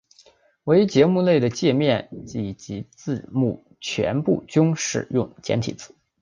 唯节目内的介面以至字幕全部均使用简体字。